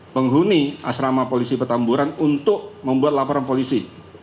penghuni asrama polisi petamburan untuk membuat laporan polisi